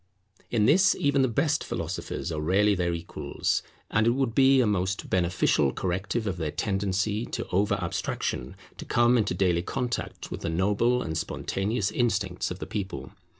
In this even the best philosophers are rarely their equals; and it would be a most beneficial corrective of their tendency to over abstraction to come into daily contact with the noble and spontaneous instincts of the people.